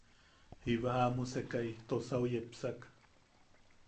Jiba jaʼamusimekai tosau yepsak.